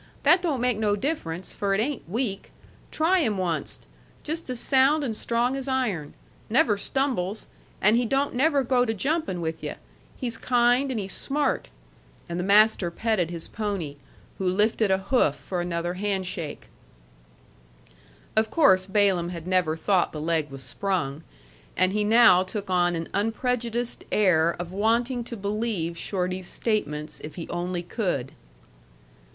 That don't make no difference, for it ain't weak. Try him onced. Just as sound and strong as iron. Never stumbles. And he don't never go to jumpin' with yu'. He's kind and he's smart." And the master petted his pony, who lifted a hoof for another handshake. Of course Balaam had never thought the leg was sprung, and he now took on an unprejudiced air of wanting to believe Shorty's statements if he only could.